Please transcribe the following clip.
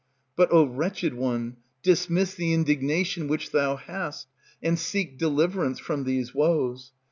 But, O wretched one, dismiss the indignation which thou hast, And seek deliverance from these woes.